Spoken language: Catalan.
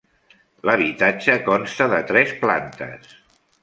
L'habitatge consta de tres plantes.